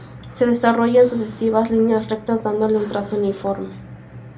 Se desarrolla en sucesivas líneas rectas, dándole un trazado uniforme.